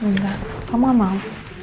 enggak kamu gak mau